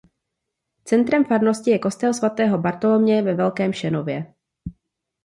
Centrem farnosti je kostel svatého Bartoloměje ve Velkém Šenově.